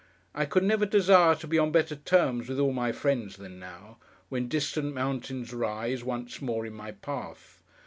I could never desire to be on better terms with all my friends than now, when distant mountains rise, once more, in my path.